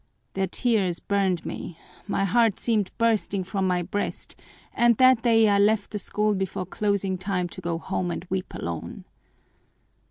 Their tears burned me, my heart seemed bursting from my breast, and that day I left the school before closing time to go home and weep alone.